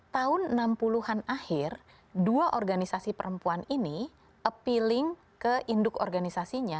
tahun enam puluh an akhir dua organisasi perempuan ini appealing ke induk organisasinya